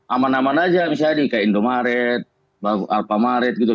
aman aman aja misalnya nih kayak indomaret alphamaret gitu